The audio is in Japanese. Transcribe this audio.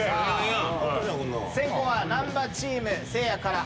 先攻はナンバチームせいやから。